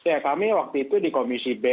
ya kami waktu itu di komisi b